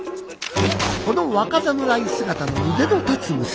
この若侍姿の腕の立つ娘。